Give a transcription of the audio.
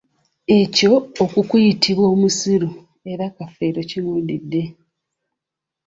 Eky'okukuyitibwa omussiru era Kafeero kimuddidde.